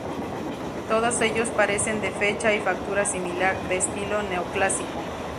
Todos ellos parecen de fecha y factura similar, de estilo Neoclásico.